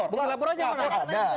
bukan lapor aja